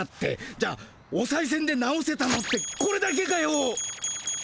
じゃあおさいせんで直せたのってこれだけかよ。